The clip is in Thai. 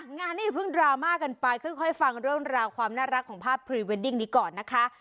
งานนี้อย่าเพิ่งดราม่ากันไปค่อยฟังเรื่องราวความน่ารักของภาพพรีเวดดิ้งนี้ก่อนนะคะ